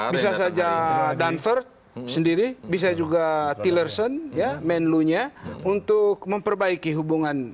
bisa saja danford sendiri bisa juga tillerson ya men loonya untuk memperbaiki hubungan